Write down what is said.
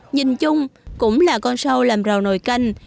nhìn chung cũng là con sâu làm rào nồi canh